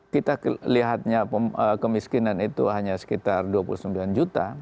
kita lihatnya kemiskinan itu hanya sekitar dua puluh sembilan juta